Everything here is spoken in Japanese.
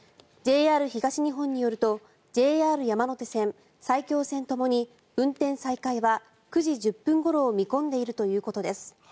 ＪＲ東日本によるとＪＲ山手線、埼京線ともに運転再開は９時１０分ごろを見込んでいるということです。